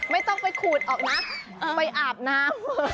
ไม่ต้องไปขูดออกนะไปอาบน้ำ